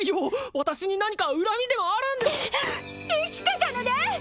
私に何か恨みでもある生きてたのね！